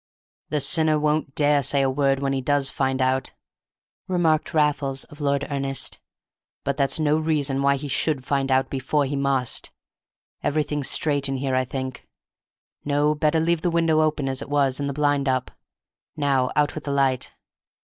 "The sinner won't dare to say a word when he does find out," remarked Raffles of Lord Ernest; "but that's no reason why he should find out before he must. Everything's straight in here, I think; no, better leave the window open as it was, and the blind up. Now out with the light.